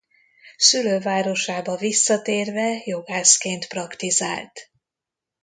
Szülővárosába visszatérve jogászként praktizált.